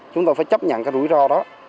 chúng tôi phải chấp nhận cái rủi ro đó